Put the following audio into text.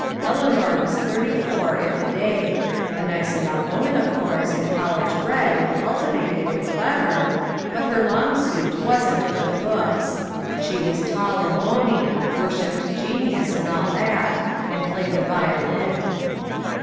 Eleanor was thirty four if a day a nice enough woman, of course, and college bred, and cultivated, and clever but her long suit wasn't good looks. She was tall and bony; worshipped genius and all that; and played the violin.